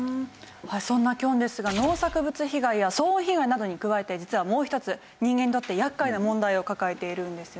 そんなキョンですが農作物被害や騒音被害などに加えて実はもう一つ人間にとって厄介な問題を抱えているんですよね。